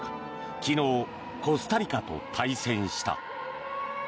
昨日、コスタリカと対戦した。